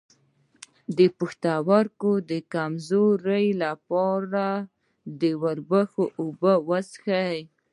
د پښتورګو د کمزوری لپاره د وربشو اوبه وڅښئ